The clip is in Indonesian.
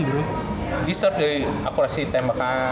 di search dari akurasi tembakan